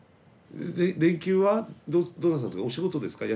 連休はどうなさるんですかお仕事ですか？